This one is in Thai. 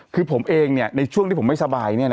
คือผมเองในช่วงที่ผมไม่สบาย